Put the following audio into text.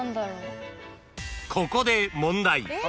［ここで問題］